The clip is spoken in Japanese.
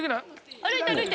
歩いて歩いて。